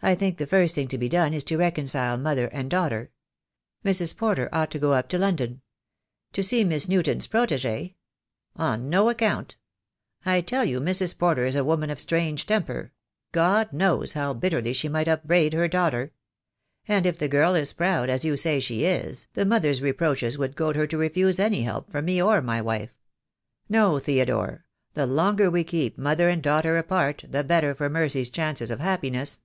I think the first thing to be done is to reconcile mother and daughter. Mrs. Porter ought to go up to London " "To see Miss Newton's protegee? On no account. I tell you Mrs. Porter is a woman of strange temper — God knows how bitterly she might upbraid her daughter. And if the girl is proud, as you say she is, the mother's re proaches would goad her to refuse any help from me or my wife. No, Theodore, the longer we keep mother and daughter apart, the better for Mercy's chances of happiness."